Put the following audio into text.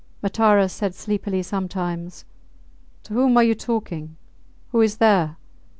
Matara said sleepily sometimes, To whom are you talking? Who is there?